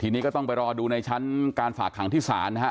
ทีนี้ก็ต้องไปรอดูในชั้นการฝากขังที่ศาลนะฮะ